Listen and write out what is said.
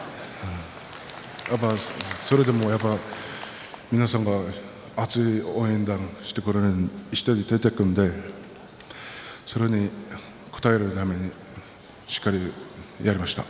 それでも、やっぱ皆さんが熱い応援をしてくれるのでそれに応えるためにしっかりやりました。